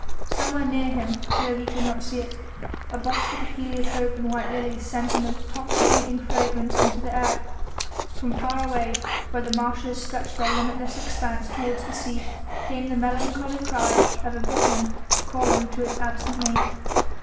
Somewhere near him, though he could not see it, a bosquet of heliotrope and white lilies sent an intoxicating fragrance into the air. From far away where the marshes stretched their limitless expanse toward the sea came the melancholy cry of a bittern, calling to his absent mate.